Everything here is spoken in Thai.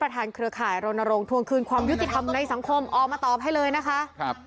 เครือข่ายรณรงค์ทวงคืนความยุติธรรมในสังคมออกมาตอบให้เลยนะคะครับ